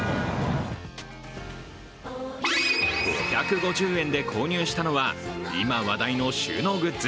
５５０円で購入したのは今話題の収納グッズ